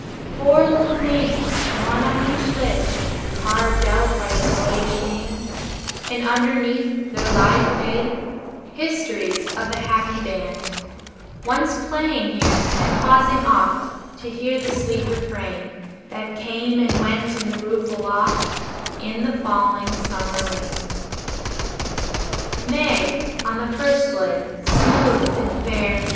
Four little names, one on each lid, Carved out by a boyish hand, And underneath there lieth hid Histories of the happy band Once playing here, and pausing oft To hear the sweet refrain, That came and went on the roof aloft, In the falling summer rain. "Meg" on the first lid, smooth and fair.